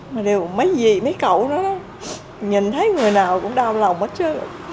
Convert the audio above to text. mà điều mấy dì mấy cậu nó nhìn thấy người nào cũng đau lòng hết trơn